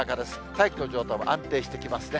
大気の状態も安定してきますね。